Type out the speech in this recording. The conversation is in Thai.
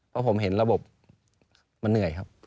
เพราะผมเห็นระบบมันเหนื่อยครับ